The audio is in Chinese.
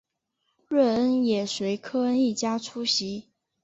瑞恩也随科恩一家出席。